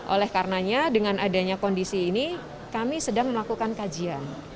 oleh karenanya dengan adanya kondisi ini kami sedang melakukan kajian